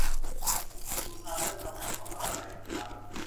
ซูซานเริ่มทำให้เขาประหลาดใจอีกครั้ง